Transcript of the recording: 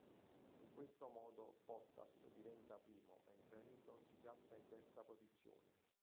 In questo modo Bottas diventa primo mentre Hamilton si piazza in terza posizione.